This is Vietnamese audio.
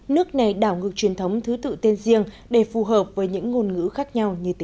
nước này đảo ngược truyền thống thứ tự